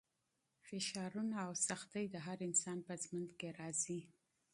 فشارونه او سختۍ د هر انسان په ژوند کې راځي.